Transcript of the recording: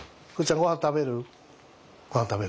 ごはん食べる？